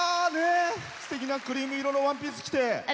すてきなクリーム色のワンピースを着て。